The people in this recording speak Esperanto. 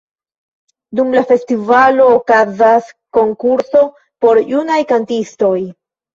Dum la festivalo okazas konkurso por junaj kantistoj.